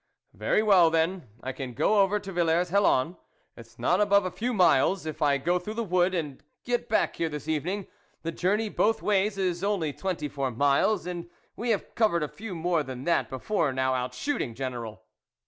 "Very well, then, I can go over to Villers Hellon, it's not above a few miles, if I go through the wood and get back here this evening ; the journey both ways is only twenty four miles, and we have covered a few more than that before now out shooting, General."